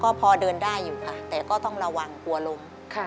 ก็พอเดินได้อยู่ค่ะแต่ก็ต้องระวังกลัวลม